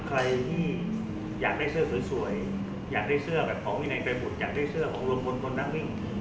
ใครที่อยากได้เสื้อสวยอยากได้เสื้อแบบของวินัยไปบุตรอยากได้เสื้อของลุงพลคนนักวิ่ง